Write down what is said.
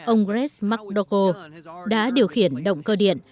ông grace mcdougall đã điều khiển động cơ điện